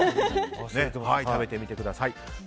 食べてみてください。